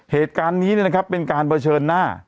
เหตุการณ์นี้นะครับเป็นการเบอร์เชิญหน้า